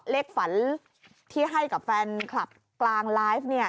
ฝันที่ให้กับแฟนคลับกลางไลฟ์เนี่ย